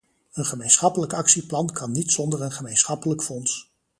Een gemeenschappelijk actieplan kan niet zonder een gemeenschappelijk fonds.